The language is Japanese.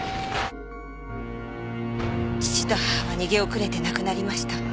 父と母は逃げ遅れて亡くなりました。